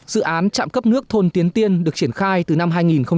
dự án chạm cấp nước thôn tiến tiên được triển khai từ năm hai nghìn một mươi năm